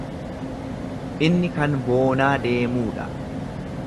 Inni kan boonaa deemuu dha.